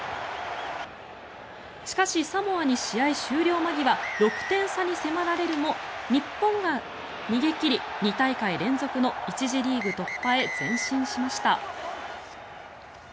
しかし、サモアに試合終了間際６点差に迫られるも日本が逃げ切り２大会連続の１次リーグ突破へ前進しました。